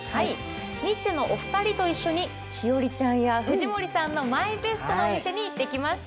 ニッチェのお二人と一緒に、栞里ちゃんや藤森さんのマイベストのお店に行ってきました。